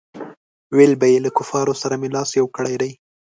ویل به یې له کفارو سره مې لاس یو کړی دی.